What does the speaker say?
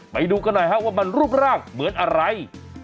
ไปดูกันหน่อยฮะว่ามันรูปร่างเหมือนอะไร